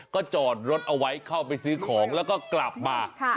ก็จอนรถเอาไว้เข้าไปซื้อของแล้วก็กลับมามันอะไรอ่ะท่ะ